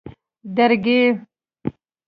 درگۍ